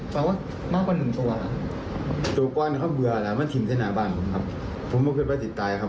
ผมไม่คิดว่าติดตายครับผมแทงเลยผมกระเลี้ยง